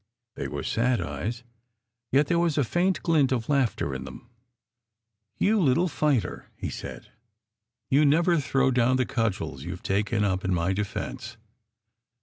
They were sad eyes, yet there was a faint glint of laughter in them. "You little fighter!" he said. "You never throw down the cudgels you ve taken up in my defence."